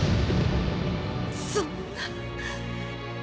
そんな。